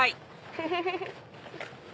フフフフ！